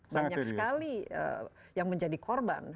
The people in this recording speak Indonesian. banyak sekali yang menjadi korban